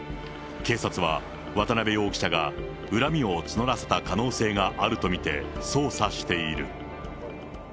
警察は渡辺容疑者が恨みを募らせた可能性があると見て、捜査している。